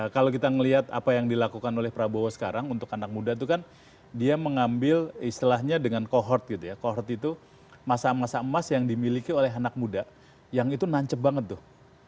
kalau kita melihat apa yang dilakukan oleh prabowo sekarang untuk anak muda itu kan dia mengambil istilahnya dengan kohort gitu ya kohort itu masa masa emas yang dimiliki oleh anak muda yang itu nancep banget tuh